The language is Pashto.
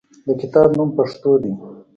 د کتاب نوم "پښتو" دی.